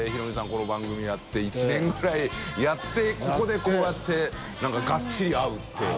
この番組やって１年ぐらいやって海海こうやってがっちり合うって。